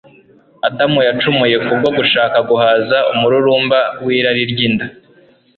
adamu yacumuye kubwo gushaka guhaza umururumba w'irari ry'inda